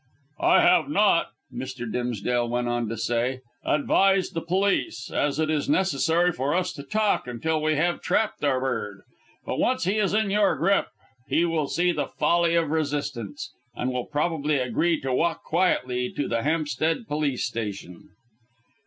"I have not," Mr. Dimsdale went on to say, "advised the police, as it is unnecessary for us to talk until we have trapped our bird. But once he is in your grip he will see the folly of resistance, and will probably agree to walk quietly to the Hampstead Police Station.